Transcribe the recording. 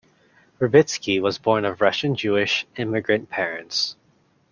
Verbitsky was born of Russian-Jewish immigrant parents.